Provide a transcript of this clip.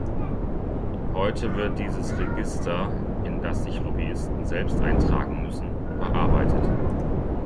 Heute wird dieses Register, in das sich Lobbyisten selbst eintragen müssen, überarbeitet.